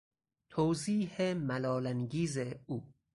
توضیح ملالانگیز او